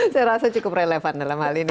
saya rasa cukup relevan dalam hal ini